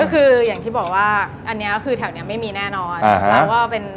ก็คืออย่างที่บอกว่าอันนี้คือแถวนี้ไม่มีแน่นอน